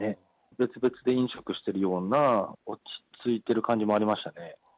別々で飲食してるような、落ち着いてる感じもありましたね。